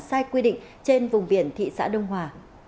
sai quy định trên vùng biển thị xã đông hòa